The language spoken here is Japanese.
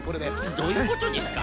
どういうことですか？